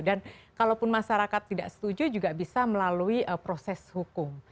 dan kalau pun masyarakat tidak setuju juga bisa melalui proses hukum